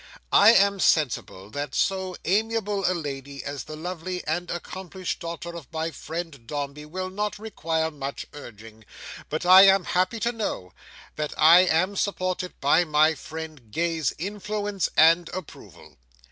I am sensible that so amiable a lady as the lovely and accomplished daughter of my friend Dombey will not require much urging; but I am happy to know, that I am supported by my friend Gay's influence and approval.